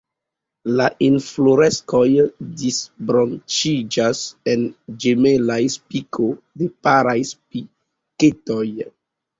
La infloreskoj disbranĉiĝas en ĝemelaj spiko de paraj spiketoj.